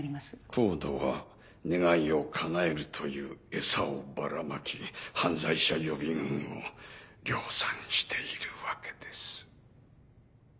ＣＯＤＥは願いを叶えるという餌をばらまき犯罪者予備軍を量産しているわけです。